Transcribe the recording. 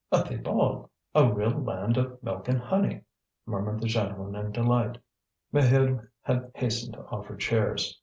"A Thebaid! a real land of milk and honey!" murmured the gentleman in delight. Maheude had hastened to offer chairs.